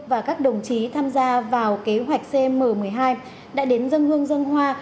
và các đồng chí tham gia vào kế hoạch cm một mươi hai đã đến dân hương dân hoa